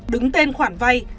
đứng tên khoản vay